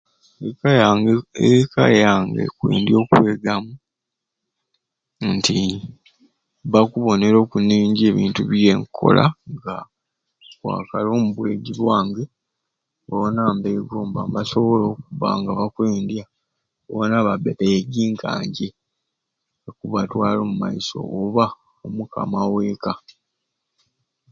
Eka yange eka yange ekwendya okwegamu nti bakubonera okuniinje ebintu byenkola nga nkwakaara omubwegi bwange boona nibegomba ni basobole okubba nga bakwendya boona babe beegi ka nje okubatwala omu maiso oba omukama w'eka.